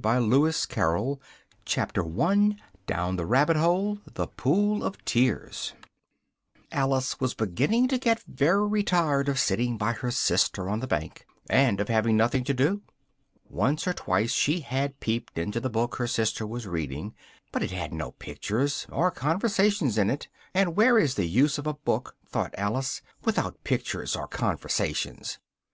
THE LOBSTER QUADRILLE. WHO STOLE THE TARTS? Chapter 1 Alice was beginning to get very tired of sitting by her sister on the bank, and of having nothing to do: once or twice she had peeped into the book her sister was reading, but it had no pictures or conversations in it, and where is the use of a book, thought Alice, without pictures or conversations?